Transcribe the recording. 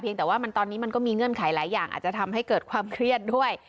แต่ว่าตอนนี้มันก็มีเงื่อนไขหลายอย่างอาจจะทำให้เกิดความเครียดด้วย